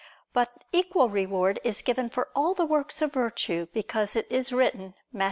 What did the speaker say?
But equal reward is given for all the works of virtue; because it is written (Matt.